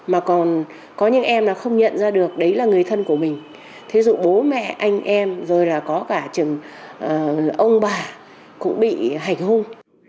mà còn có những em là không nhận ra được đấy là người thân của mình thế dụ bố mẹ anh em rồi là có cả chừng ông bà cũng bị hành hung